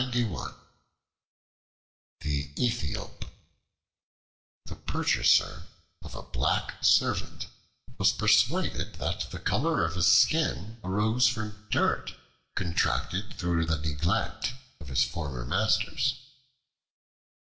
The Aethiop THE PURCHASER of a black servant was persuaded that the color of his skin arose from dirt contracted through the neglect of his former masters.